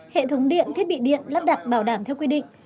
hệ thống điện thiết bị điện lắp đặt bảo đảm theo quy định